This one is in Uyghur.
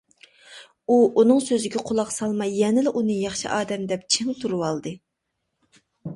ئۇ ئۇنىڭ سۆزىگە قۇلاق سالماي، يەنىلا ئۇنى ياخشى ئادەم دەپ چىڭ تۇرۇۋالدى.